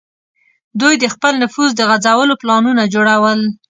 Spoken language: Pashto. دوی د خپل نفوذ د غځولو پلانونه جوړول.